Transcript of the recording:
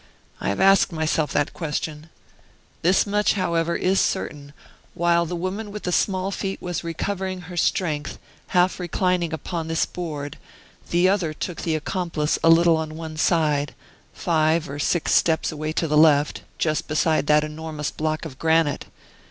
I have asked myself that question. This much, however, is certain, while the woman with the small feet was recovering her strength, half reclining upon this board, the other took the accomplice a little on one side, five or six steps away to the left, just beside that enormous block of granite.